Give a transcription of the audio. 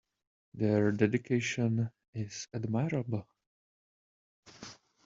Their dedication is admirable.